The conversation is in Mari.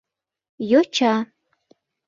— Йоча!